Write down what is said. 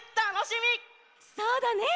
そうだね。